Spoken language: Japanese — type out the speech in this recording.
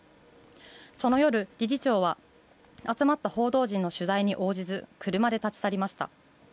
その夜、理事長は集まった報道陣の取材に応じず、車で立ち去りました。